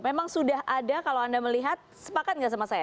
memang sudah ada kalau anda melihat sepakat nggak sama saya